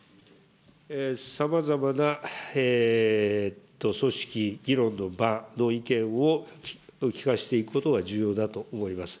さまざまな組織、議論の場の意見をきかせていくことは重要だと思います。